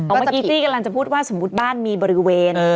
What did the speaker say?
เมื่อกี้จี้กำลังจะพูดว่าสมมุติบ้านมีบริเวณ